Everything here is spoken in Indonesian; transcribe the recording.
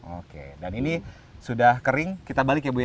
oke dan ini sudah kering kita balik ya bu ya